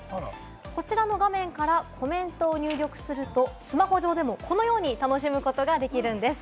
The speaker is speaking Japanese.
こちらの画面からコメントを入力すると、スマホ上でもこのように楽しむことができるんです。